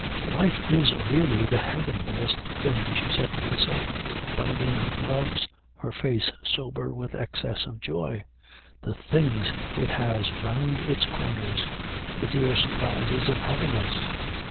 "Life is really the heavenliest thing," she said to herself, buttoning her gloves, her face sober with excess of joy. "The things it has round its corners! The dear surprises of happiness."